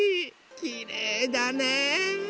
きれいだね。